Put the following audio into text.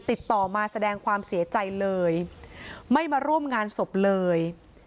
ติดต่อมาแสดงความเสียใจเลยไม่มาร่วมงานศพเลย